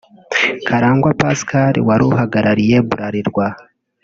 Karangwa Pascal wari uhagarariye Bralirwa